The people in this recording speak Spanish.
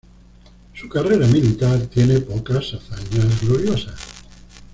Su carrera militar tiene pocas hazañas gloriosas.